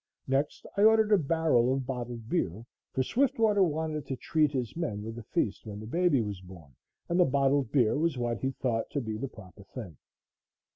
Next I ordered a barrel of bottled beer, for Swiftwater wanted to treat his men with a feast when the baby was born and the bottled beer was what he thought to be the proper thing.